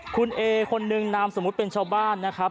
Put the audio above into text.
คุณเอคนหนึ่งนามสมมุติเป็นชาวบ้านนะครับ